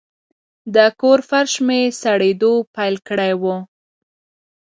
د کور فرش مې سړېدو پیل کړی و.